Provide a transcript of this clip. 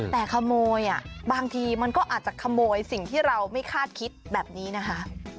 แต่ขโมยบางทีมันก็อาจจะขโมยสิ่งที่เราไม่คาดคิดแบบนี้นะคะ